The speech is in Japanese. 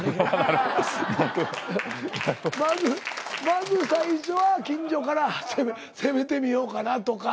まず最初は近所から攻めてみようかなとか。